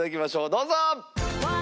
どうぞ！